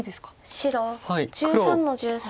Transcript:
白１３の十三。